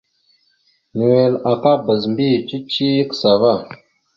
Nʉwel aka bazə mbiyez cici ya kəsa ava.